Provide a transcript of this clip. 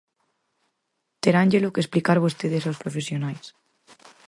Teránllelo que explicar vostedes aos profesionais.